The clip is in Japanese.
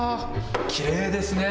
きれいですね。